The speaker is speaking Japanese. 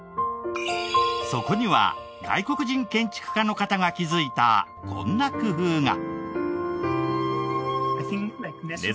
そこには外国人建築家の方が気づいたこんな工夫が。